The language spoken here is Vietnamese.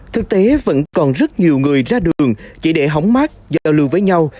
thực tế vẫn còn rất nhiều người ra đường chỉ để hóng mát giao lưu với nhau